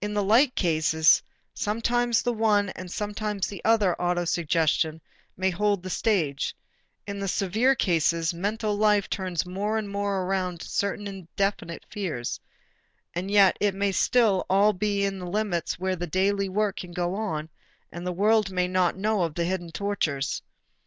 In the light cases, sometimes the one and sometimes the other autosuggestion may hold the stage; in the severe cases, mental life turns more and more around certain definite fears and yet it may all still be in the limits where the daily work can go on and the world may not know of the hidden tortures.